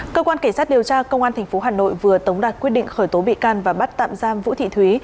cơ quan cảnh sát điều tra công an tp hà nội vừa tống đạt quyết định khởi tố bị can và bắt tạm giam vũ thị thúy